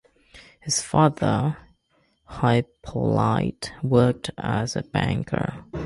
His father Hyppolite worked as a banker.